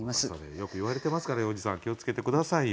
よく言われてますから要次さん気を付けて下さいよ。